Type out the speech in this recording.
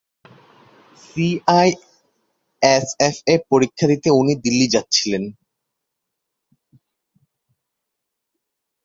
সিআইএসএফ-এর পরীক্ষা দিতে উনি দিল্লি যাচ্ছিলেন।